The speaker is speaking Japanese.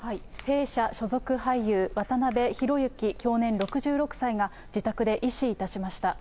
弊社所属俳優、渡辺裕之享年６６歳が自宅で縊死いたしました。